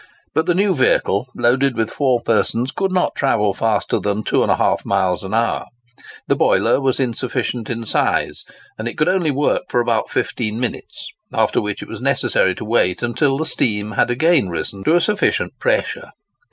But the new vehicle, loaded with four persons, could not travel faster than two and a half miles an hour. The boiler was insufficient in size, and it could only work for about fifteen minutes; after which it was necessary to wait until the steam had again risen to a sufficient pressure.